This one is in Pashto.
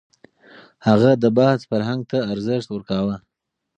هغه د بحث فرهنګ ته ارزښت ورکاوه.